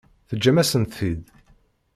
Teǧǧam-asent-t-id.